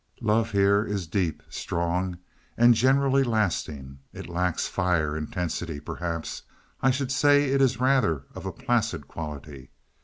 "Love here is deep, strong and generally lasting; it lacks fire, intensity perhaps. I should say it is rather of a placid quality.